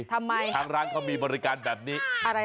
ทางร้านเขามีบริการแบบนี้